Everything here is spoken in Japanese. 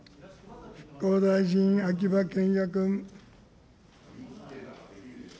復興大臣、秋葉賢也君。